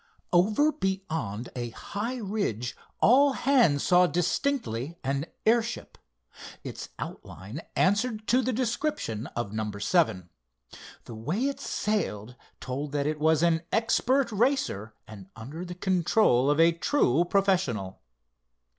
Over beyond a high ridge all hands saw distinctly an airship. Its outline answered to the description of number seven. The way it sailed told that it was an expert racer and under the control of a true professional.